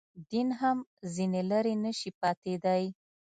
دین هم ځنې لرې نه شي پاتېدای.